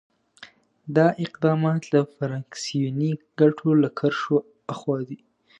دا اقدامات له فراکسیوني ګټو له کرښو آخوا دي.